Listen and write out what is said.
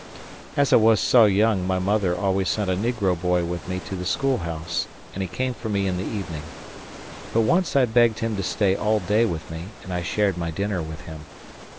As I was so young my mother always sent a negro boy with me to the schoolhouse, and he came for me in the evening. But once I begged him to stay all day with me, and I shared my dinner with him.